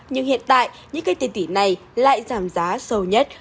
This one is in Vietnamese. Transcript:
nhưng hiện tại những cây tiền tỷ này lại giảm giá sâu nhất